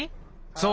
そう。